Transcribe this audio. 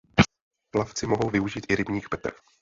Plavci mohou využít i rybník Petr.